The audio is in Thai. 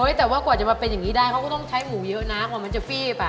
แต่ว่ากว่าจะมาเป็นอย่างนี้ได้เขาก็ต้องใช้หมูเยอะนะกว่ามันจะฟีบ